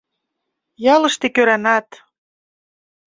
Ялыште кӧранат.